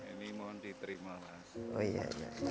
ini mas robin ya